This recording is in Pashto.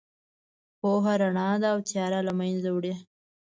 پوهه رڼا ده او تیاره له منځه وړي.